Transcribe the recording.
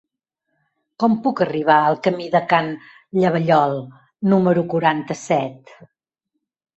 Com puc arribar al camí de Can Llavallol número quaranta-set?